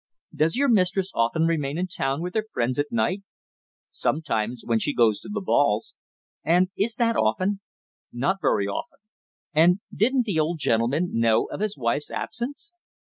"Does your mistress often remain in town with her friends at night?" "Sometimes, when she goes to balls." "And is that often?" "Not very often." "And didn't the old gentleman know of his wife's absence?"